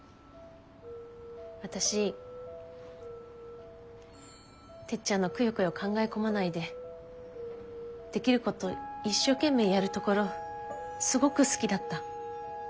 私てっちゃんのくよくよ考え込まないでできること一生懸命やるところすごく好きだった。